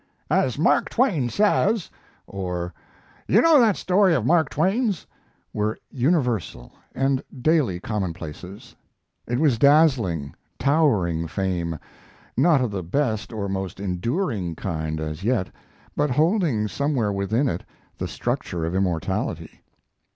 "As Mark Twain says," or, "You know that story of Mark Twain's," were universal and daily commonplaces. It was dazzling, towering fame, not of the best or most enduring kind as yet, but holding somewhere within it the structure of immortality.